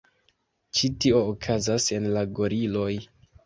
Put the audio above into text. Ĉi tio okazas en la goriloj.